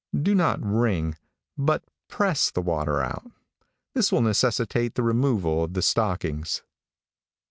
Do not wring, but press the water out. This will necessitate the removal of the stockings.